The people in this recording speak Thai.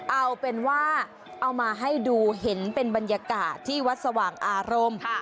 เอาเป็นว่าเอามาให้ดูเห็นเป็นบรรยากาศที่วัดสว่างอารมณ์